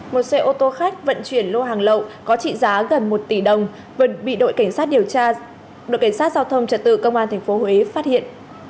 một xe ô tô khách vận chuyển lô hàng lậu có trị giá gần một tỷ đồng vẫn bị đội cảnh sát giao thông trật tự công an tp huế phát hiện